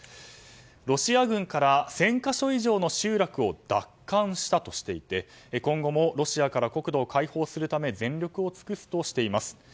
ロシア軍から１０００か所以上の集落を奪還したとしていて今後もロシアから国土を解放するため全力を尽くすとしています。